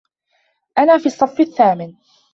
أنا في الصف الثامن.